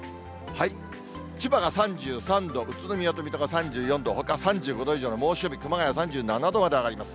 千葉が３３度、宇都宮と水戸が３４度、ほか３５度以上の猛暑日、熊谷３７度まで上がります。